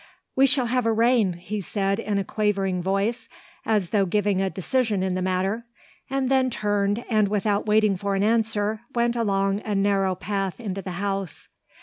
"We shall have a rain," he said in a quavering voice, as though giving a decision in the matter, and then turned and without waiting for an answer went along a narrow path into the house.